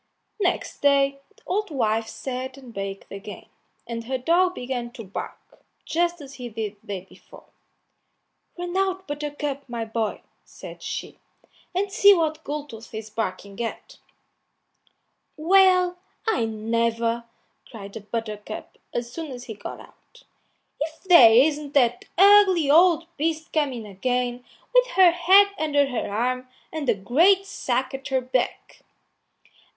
Next day the old wife sat and baked again, and her dog began to bark, just as he did the day before. "Run out, Buttercup, my boy," said she, "and see what Goldtooth is barking at." "Well, I never!" cried Buttercup, as soon as he got out; "if there isn't that ugly old beast coming again with her head under her arm and a great sack at her back."